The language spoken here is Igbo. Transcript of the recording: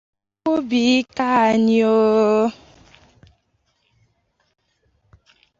O kwuru na ọ bụ n'ugbo nwoke ahụ ka Buhari gara zuo ohi ọka ahụ